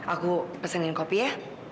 aku pesenin kopi ya